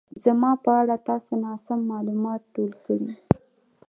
زما په اړه تاسو ناسم مالومات ټول کړي